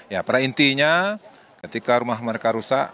ya pada intinya ketika rumah mereka rusak